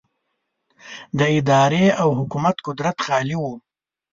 د ادارې او حکومت قدرت خالي و.